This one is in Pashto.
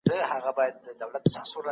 یو تسلیت او یوه ډالۍ.